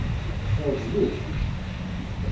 Iɛǧeb-ik?